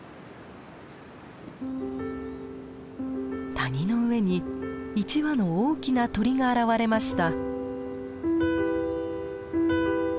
谷の上に１羽の大きな鳥が現れました。